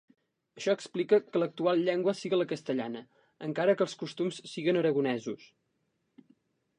Això explica que l'actual llengua siga la castellana, encara que els costums siguen aragonesos.